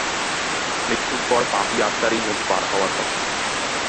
মৃত্যুর পর পাপী আত্মার এই নদী পার হওয়ার কথা।